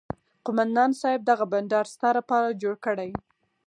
قومندان صايب دغه بنډار ستا لپاره جوړ کړى.